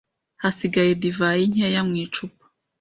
Hasigaye divayi nkeya mu icupa.